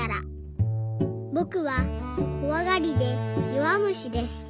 「ぼくはこわがりでよわむしです。